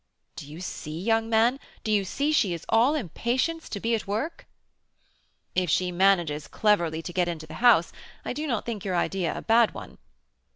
"Do you see, young man, do you see she is all impatience to be at work?" "If she manages cleverly to get into the house, I do not think your idea a bad one."